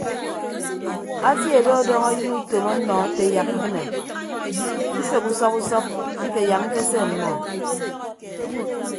Atie do ọdọñ ayịn utom ọnnọ ate yak ibịne mfeghe usọp usọp nte yak ñkese ọmmọ.